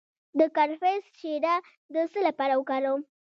د کرفس شیره د څه لپاره وکاروم؟